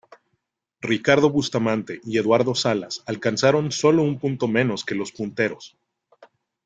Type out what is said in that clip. Ricardo Bustamante y Eduardo Salas alcanzaron solo un punto menos que los punteros.